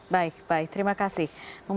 baik baik terima kasih